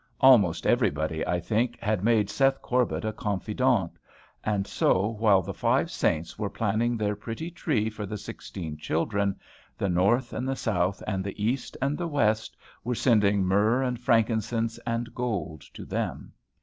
Almost everybody, I think, had made Seth Corbet a confidant; and so, while the five saints were planning their pretty tree for the sixteen children, the North and the South, and the East and the West, were sending myrrh and frankincense and gold to them.